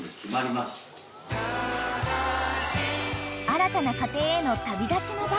［新たな家庭への旅立ちの場］